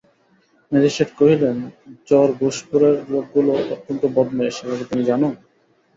Magistrate কহিলেন, চর-ঘোষপুরের লোকগুলো অত্যন্ত বদমায়েস সে কথা তুমি জান?